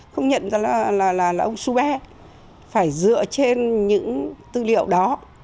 không nhận ra là ông sube phải dựa trên những tư liệu đó